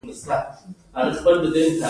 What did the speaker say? لومړی د سون توکو اقتصادي لګښت دی.